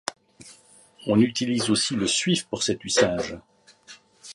On utilise aussi le suif pour cet usage.